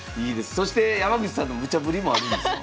そして山口さんのムチャぶりもあるんですか？